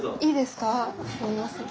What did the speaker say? すいません。